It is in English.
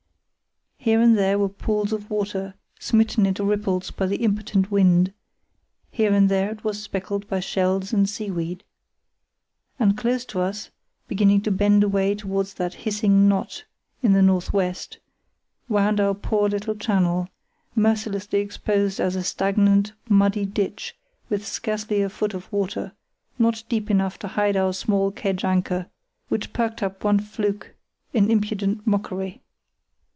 Here and there were pools of water, smitten into ripples by the impotent wind; here and there it was speckled by shells and seaweed. And close to us, beginning to bend away towards that hissing knot in the north west, wound our poor little channel, mercilessly exposed as a stagnant, muddy ditch with scarcely a foot of water, not deep enough to hide our small kedge anchor, which perked up one fluke in impudent mockery.